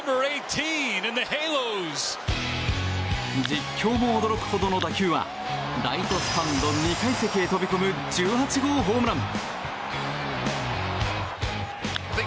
実況も驚くほどの打球はライトスタンド２階席へ飛び込む１８号ホームラン。